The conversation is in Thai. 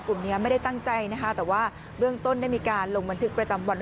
กลุ่มนี้ไม่ได้ตั้งใจนะคะแต่ว่าเบื้องต้นได้มีการลงบันทึกประจำวัน